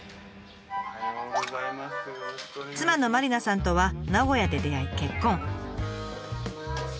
妻のマリナさんとは名古屋で出会い結婚。